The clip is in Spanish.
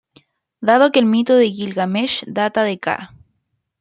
Dado que el mito de Gilgamesh data de "ca".